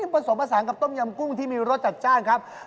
ประสงค์ประสานกับต้มยำกุ้งที่มีรสจัดจ้านครับ